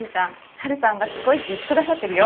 ハルさんがすごいって言ってくださってるよ。